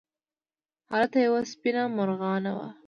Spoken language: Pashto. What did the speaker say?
هلته یوه سپېنه مرغانه وه.